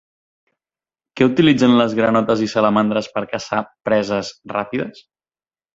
Què utilitzen les granotes i salamandres per caçar presses ràpides?